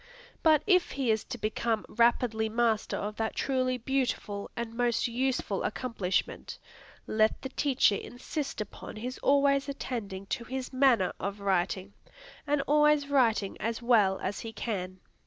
But if he is to become rapidly master of that truly beautiful and most useful accomplishment, let the teacher insist upon his always attending to his manner of writing, and always writing as well as he can.